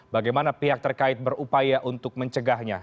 bagaimana pihak terkait berupaya untuk mencegahnya